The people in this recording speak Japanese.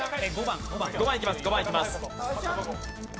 ５番いきます。